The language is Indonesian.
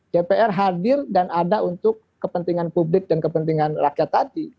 dpr hadir dan ada untuk kepentingan publik dan rakyat